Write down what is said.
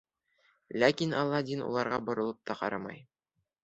Ләкин Аладдин уларға боролоп та ҡарамай.